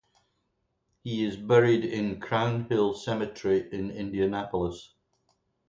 He is buried in Crown Hill Cemetery in Indianapolis.